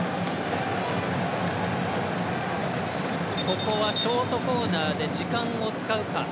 ここはショートコーナーで時間を使うか。